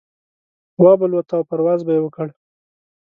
وابه لوته او پرواز به يې وکړ.